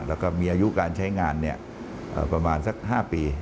แล้วก็มีอายุการใช้งานประมาณสัก๕ปี